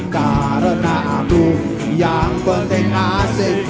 karena aku yang penting asik